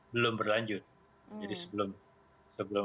belum berlanjut jadi sebelum